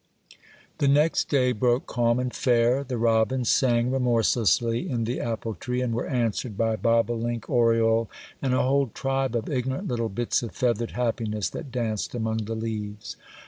THE next day broke calm and fair. The robins sang remorselessly in the apple tree, and were answered by bobolink, oriole, and a whole tribe of ignorant little bits of feathered, happiness that danced among the leaves.